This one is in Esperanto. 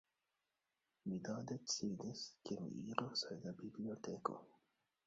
Mi do decidis, ke mi iros al la biblioteko.